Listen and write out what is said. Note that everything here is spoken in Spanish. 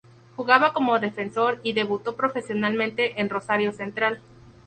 Jugaba como defensor y debutó profesionalmente en Rosario Central.